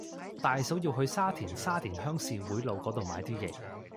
大嫂要去沙田沙田鄉事會路嗰度買啲嘢